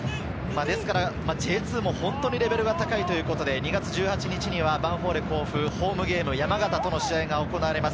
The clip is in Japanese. Ｊ２も本当にレベルが高いということで、２月１８日にはヴァンフォーレ甲府、ホームゲームで山形との試合が行われます。